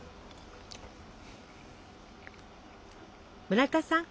村田さん